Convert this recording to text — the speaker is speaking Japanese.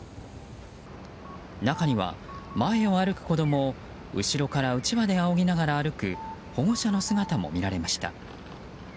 中には前を歩く子供を後ろからうちわであおぎながら歩く保護者の姿も見られました。